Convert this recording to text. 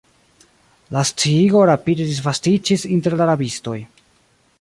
La sciigo rapide disvastiĝis inter la rabistoj.